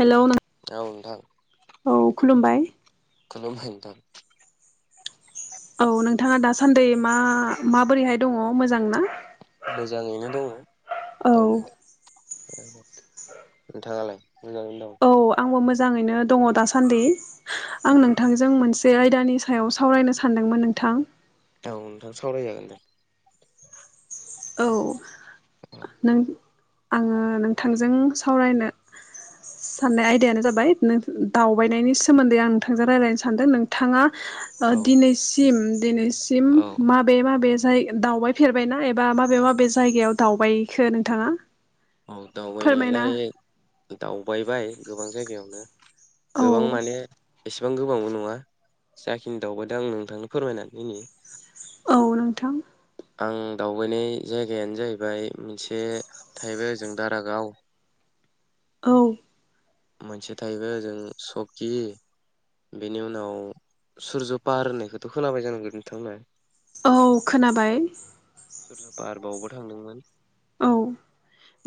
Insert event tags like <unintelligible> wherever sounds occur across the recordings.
Hello औ नोंथां। औ खुलुमबाय। खुलुमबाय नोंथां। औ नोंथाङा दासान्दि मा माबोरैहाय दङ मोजां ना? मोजाङैनो औ दङो दंनायालाय। नोंथाङालाय मोजाङैनो दं? औ आंबो मोजाङैनो दङ दासान्दि। औ आं नोंथांजों मोनसे से आयदानि सायाव सावरायनो सानदोंमोन नोंथां। औ नोंथां सावराय जागोन दे। औ नों आङो नोंथांजों सावरायनो साननाय आयदायानो जाबाय नो दावबायनायनि सोमोन्दै आं नोंथांजों रायलायनो सानदों नोंथाङा ओ औ दिनैसिम <unintelligible> सिम औ माबेे माबे फ्राय दावबायफेरबायना एब बा माबे माबे जायगायाव दावबायखो नोंथाङा? औ फोरमायना दावबायनायालाय दावबायबाय गोबां जायगायावनो। गोबां औ माने एसेबां गोबांबो नङा जाखिनि दावबायदो आं नोंथांनो फोरमायनानै होनि औ नोंथां। आं दावबायनाय जायगायानो जाहैबाय मोनसे थाहैबाय ओजों दारागाव। औ मोनसे थाहैबाय ओजों सकि बेनि उनाव सुरज पाहार होननायखौथ खोनाबाय जानांगौ नोंथांमोना औ खोनाबाय सुरज पाहर्बावबो थांदोंमोन औ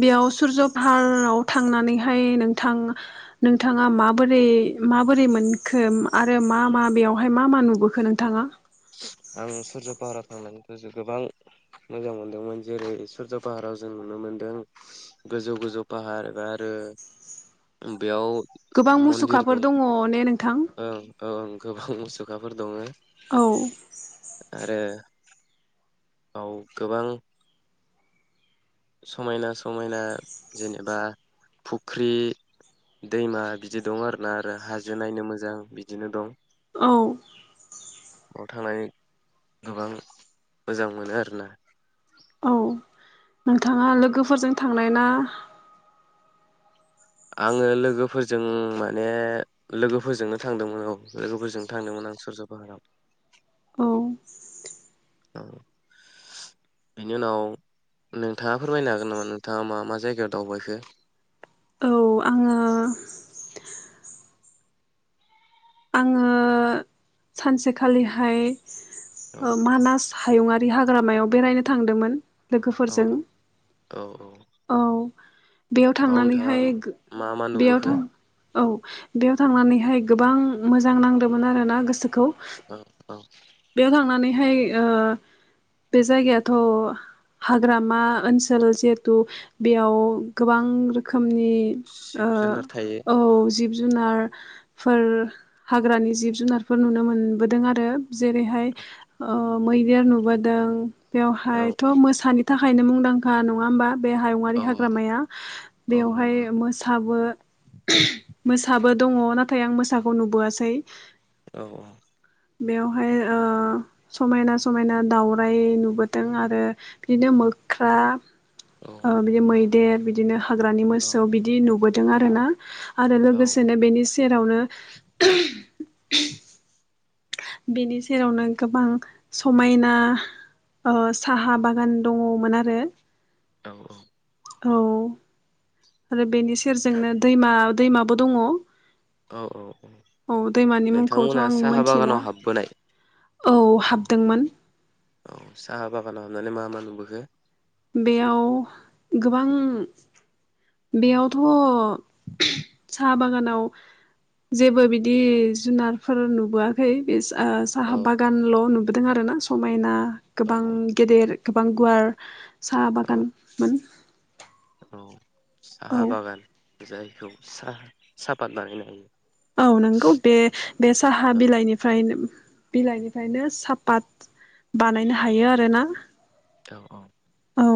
बेयाव सुरज पाहाराव थांनानै हाय नोंथां नोंथाङा माबोरै माबोरै मोनखो आरो मा मा बेयावहाय मा मा नुबोखो नोंथाङा आं सुरज पाहाराव थांनानै गोसोखौ गोबां मोजां मोनदोंमोन जेरै सुरज पाहाराव जों नुनो मोनदों गोजौ गोजौ पाहार एबा आरो बेयाव गोबां मन्दिर दं मुसुखाफोर दङ ने नों ओं ओ गोबां मुसुखाफोर दङ औ आव गोबां समायना समायना जेनेबा फुख्रि दैमा बिदि दं आरोना आरो हाजो नायनो मोजां बिदिनो दं औ <unintelligible> थांनानै गोबां मोजां मोनो आरोना औ नोंथाङा लोगोफोरजों थांनाय ना आङो लोगोफोरजों माने लोगोफोरजोंनो थांदोंमोन औ लोगोफोरजों थांदोंमोन आं सुरज पाहाराव औ बेनि उनाव नोंथाङा फोरमायनो हागोन नामा नोंथाङा मा मा जायगायाव दावबायखो औ आङो सानसे खालिहाय औ मानास हायुंयारि हाग्रामायाव बेरायनो थांदोंमोन लोगोफोरजों औ औ औ औ बेयाव बाव नोंथाङा थांनानैहाय गो मा मा बेयाव नुबोखो? थां औ बेयाव थांनानै हाय गोबां मोजां नांदोंमोन आरो ना गोसो खौ औ बेयाव थांनानै हाय ओ बे जायगायाथ हाग्रामा ओनसोल जिहेथु बेयाव गोबां रोखोमनि जिब जुनार थायो ओ औ जिब जुनार फोर हाग्रानि जिब जुनारफोर नुनो मोनबोदों आरो जेरै हाय ओ ओ मैदेर नुबोदों औ बेवहायथ मोसानि थाखायनो मुंदांखा नङा होमबा बे हायुंयारि औ हाग्रामाया औ बेवहाय नंगौ मोसाबो मोसाबो दङ नाथाय आं मोसाखौ नुबोयासै औ औ बेयाव बेहाय ओ समायना समायना दाउराइ नुबोदों आरो बिदिनो मोख्रा औ ओ बिदि मै देर बिदिनो हाग्रानि औ मोसौ बिदि नुबो दों आरोना। आरो औ लोगोसेनो बेनि जेरावनो बेनि सेरावनो गोबां समायना ओ साहा बागान दङमोन आरो। औ औ औ आरो बेनि सेरजोंनो दैमा दैमाबो दङ'। औ औ औ औ दैमानि मुंखौथ' नोंथांमोना आं साहा मोनथिला बागानाव हाबबोनाय? औ हाबदोंमोन। औ साहा बागानाव हाबनानै मा‌ मा नुबोखो? बेयाव गोबां बेयावथ' साहा बागानाव जेबो बिदि जुनारफोर नुबोआखै बे जा ओ औ साहा बागान ल' नु बोदों आरो ना समायना‌ औ गोबां गेदेर। गोबां गुवार साहा औ बागानमोन। औ औ साहा बागान जायखौ सा साफात बानायनो हायो। औ नोंगौ बे बे साहा बिलाइनिफ्राय बिलाइनिफ्रायनो सापात बानायनो हायो आरोना। औ औ औ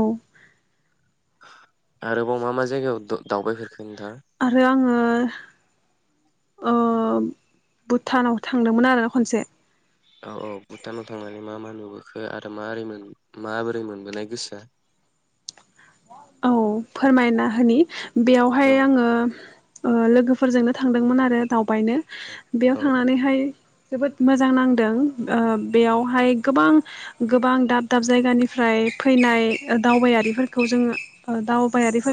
आरोबाव मा-मा जायगायाव दा-दावबायफेरखो आरो आङो ओ भुटानाव थांदोंमोन आरो खनसे। औ औ भुटानाव थांनानै मा-मा नुबोखो आरो माबोरै मोन माबोरै मोनबोनाय गोसोआ? औ फोरमायना होनि। बेयावहाय औ आङो ओ लोगोफोरजोंनो थांदोंमोन आरो दाव बायनो औ बेयाव औ थांनानैहाय जोबोद मोजां नांदों। ओ बेयावहाय गोबां गोबां दाब दाब जायगानिफ्राय फैनाय ओ दावबायारिफोरखौ जोङो ओ दाव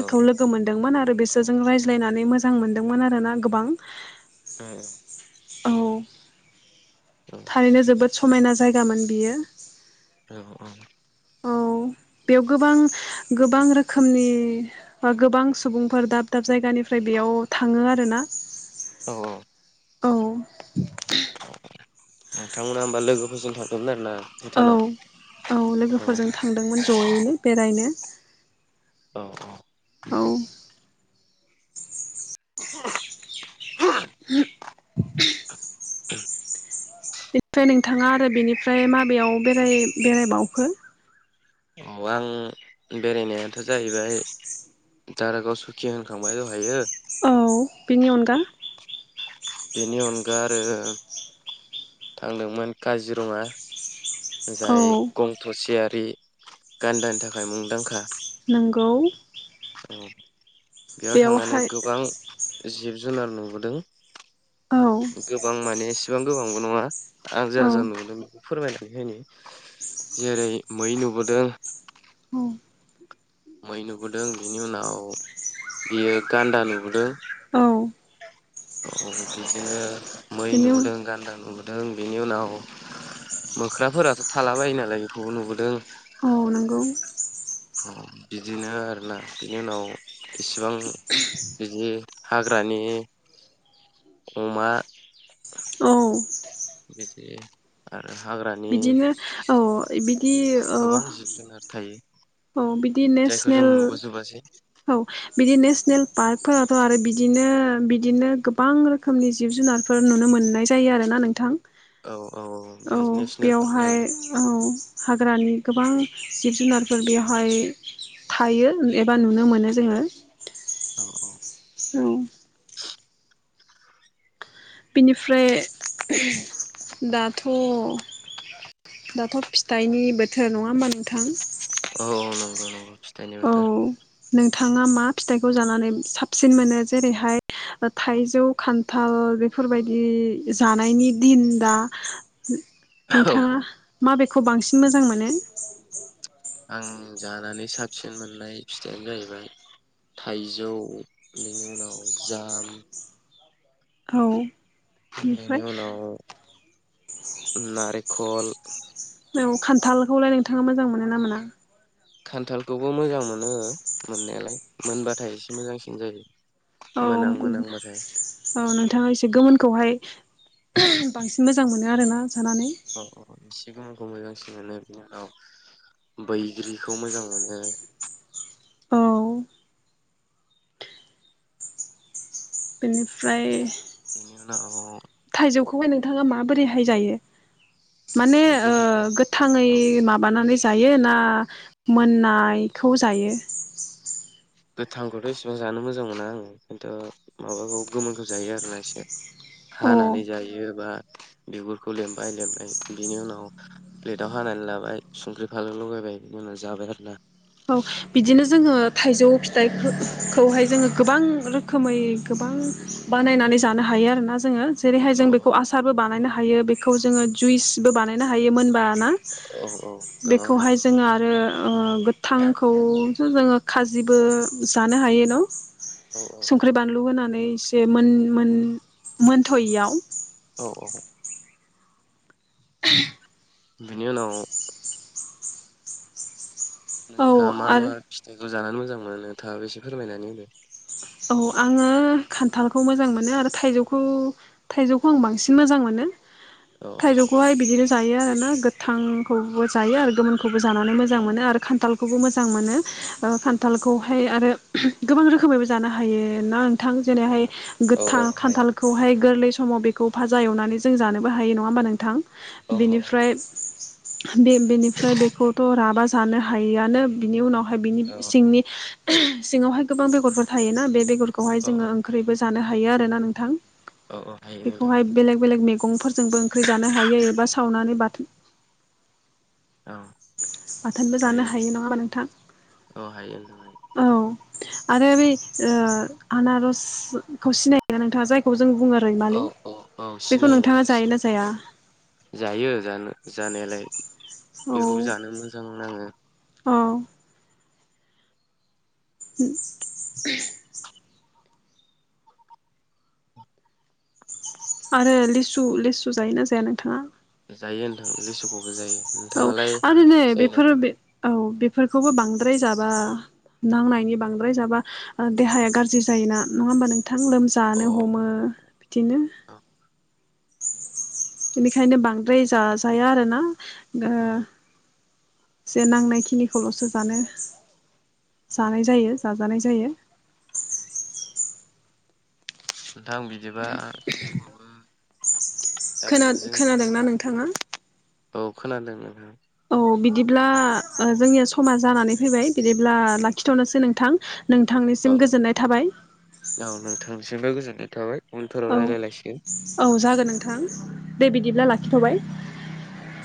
औ लोगो मोन दोंमोन आरो बिसोरजों रायज्लायनानै मोजां मोनदोंमोन आरोना गोबां। उम औ थारैनो जोबोद समायना जायगामोन बियो औ ओं औ बेयाव गोबां-गोबां रोखोमनि बा गोबां सुबुंफोर दाब-दाब जायगानिफ्राय बेयाव थाङो आरो ना औ औ औ नोंथांमोना होमबा लोगोफोरजों थांदोंमोन आरो ना औ-औ लोगोफोरजों थांदोंमोन जयैनो बेरायनो औ औ <inaudible> औ <unintelligible> बेनिफ्राय नोंथाङा आरो बेनिफ्राय माबेयाव बेराय बेरायबावखो औ आं बेरायनायाथ' जाहैबाय दारागाव सुखि होनखांबाय दहायो औ बेनि अनगा बेनि अनगा आरो थांदोंमोन काजिरङा जाय औ गंथ' सेआरि आरि गान्दानि थाखाय मुंदांखा नोंगौ औ बेयाव थांनानै गोबां जिब जु जुनार नुबोदों औ गोबां माने बां गोबांबो नङा आं औ जा-जा नुदों फोरमायना बेखायनो जेरै मै नुबोदों औ मै नुबोदों बिनि उनाव बियो गान्दा नुबोदों औ बिदिनो मै बिनि उन नुबोदों गान्दा नुदों दों बिनि उनाव मोख्राफोराथ' थाला बायो नालाय बिखौबो नुबोदों औ नंगौ ओ बिदिनो आरोना बिनि उनाव इसिबां बिदि हाग्रानि अमा औ बिदि आ बिदिनो औ बि गोबां जिब-जुनार थायो औ बिदि जायखौ जों नेसनेल नुबोजोबासै औ बिदि नेसनेल पार्कफोराथ' आरो बिदिनो-बिदिनो गोबां रोखोमनि जिब-जुनारफोर नुनो मोननाय जायो आरोना नोंथां औ औ बे औ नेसनेल पार्क बेयावहाय नालाय औ हाग्रानि गोबां जिब जुनारफोर बेवहाय थायो एबा नु नुनो मोनो जोङो। औ औ औ। <unintelligible> बिनिफ्राय दाथ' दाथ' फिथाइनि बोथोर नङा होमबा नोंथां? औ नंगौ नंगौ। औ <unintelligible> नोंथाङा मा फिथाइखौ जानानै साबसिन मोनो जेरैहाय थाइजौ, खान्थाल बेफोरबायदि जानायनि दिन दा औ औ नोंथाङा मा बे? खौ बांसिन मोजां मोनो। आं जानानै साबसिन मोननाय फिथाइयानो जाहैबाय थाइजौ बेनि उनाव जाम औ बेनि बिनिफ्राय उनाव नारे खल औ खान्थालखौलाय नोंथाङा मोजां मोनो ना मोना? खान्थालखौबो मोजां मोनो मोननायालाय मोनबाथाय एसे मोजांसिन जायो। औ मोनां मोनांबाथाय औनो थाङा एसे गोमोनखौहाय बांसिन मोजां मोनो आर ना? औ औ। मोजांसिन मोनो बिनानाव बैग्रिखौ मोजां मोनो। औ ओमफ्राय बेनि उनाव थाइजौखौ खौहाय नोंथाङा माबोरै हाय जायो? माने ओ थाइजौखौथ' गोथाङै औ माबानानै जायो ना मोननायखौ जायो? गोथांखौथ' इसेबां जानो मोजां मोना आङो खिन्थु माबाखौ गोमोनखौ जायो आरोना एसे अ हानानै जायो बा बिगुरखौ लमबाय लमबाय बिनि उनाव प्लेटाव हानानै लाबाय संख्रि फालु लगायबाय बिनि उनाव जाबाय आरोना। औ बिदिनो जोङो थाइजौ फिथाइखौहाय जोङो गोबां रोखोमै गोबां बानायनानै जानो हायो आरोना जोङो। जेरैहाय औ जों बेखौ आसारबो बानायनो हा हायो बेखौ जोङो जुइसबो बानायनो हायो मोनबा ना औ औ गोबां हायो बेखौहाय जोङो आरो ओ गो थांखौसो जोङो खाजिबो जानो हायो न'? औ औ संख्रि बानलु <unintelligible> ओमफ्राय इसे मोन मोन मोनथ'यियाव औ औ <unintelligible> बेनि उनाव औ नोंथाङा मा मा आरो फिथाइखौ जानानै मोजां मोनो नोंथाङा बेसे फोरमायनानै होदो। औ आङो खान्थालखौ मोजां मोनो आरो थाइजौखौ थाइजौखौ आं बांसिन मोजां मोनो। औ थाइजौखौहाय बिदिनो जायो आरोना गोथांखौबो जायो आरो गोमोनखौबो जानानै मोजां मोनो आरो खान्थालखौबो मोजां मोनो खान्थालखौहाय आरो गोबां रोखोमैबो जायो। जानो हायो <unintelligible> नोंथां जेरैहाय औ गोथां औ हायो खान्थालखौहाय गोरलै बे समाव बेखौ फाजा एवनानै जों जानोबो हायो नङा होमबा नोंथां। औ हायो बेनिफ्राय बे -बेनिफ्राय बेखौथ' राबा जानो हायोआनो बिनि उनाव बिनि औ सिंनि सिङावहाय गोबां बेगरफोर थायो ना बेगर <unintelligible> औ जों ओंख्रि जानो हायो आरो ना नोंथां। औ औ हायो बेखौहाय नोंथां बेलेग बेलग <unintelligible> <unintelligible> जोंबो ओंख्रि जानो हायो एबा सावनानै बाथोन औ बाथोनबो जानो हायो नङा होनबा नोंथां औ हायो नोंथां औ। आरो बै ओ आनारसखौ सिनाया नोंथाङा जायखौ जों बुङो औ रैमालि औ औ बेखौ सिनायो नोंथाङा नोंथां जायोना सिनाय जाया जायो जानो जानायालाय। औ बेखौबो जानो मोजां नाङो। औ उम आरो लेसु -लेसु जायोना जाया नोंथाङा? जायो नोंनथां लिसुखौबो जायो। औ नोंथाङालाय आरो नै जायोना बेफोरो बे औ बेफोरखौबो बांद्राय जाबा नांनायनि बांद्राय जाबा देहाया गाज्रि जायो ना नङा होमबा <unintelligible> <unintelligible> अ लोमजानो हमो बिदिनो अ बेनिखायनो बांद्राय जाजाया आरोना। अ <unintelligible> जे नांनाय खिनिखौल'सो जानो जानाय जायो जाजानाय जायो। नोंथां बिदिबा समाबो खोना जाबायमोन जोंना -खोनादोंना नोंथाङा? औ खोनादों ओं। ओ बिदिब्ला जोंनिया समा जानानै फैबाय <unintelligible> <unintelligible> औ लाखिथ'नोसै नोंथां नोंथांनिसिम गोजोननाय थाबाय। औ नोंथांनिसिमबो <unintelligible> औ रायलायलायसिगोन औ जागोन नोंथां दे औ बिदिब्ला लाखिथ'बाय। औ औ